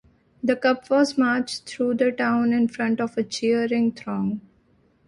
The Cup was marched through the town in front of a cheering throng.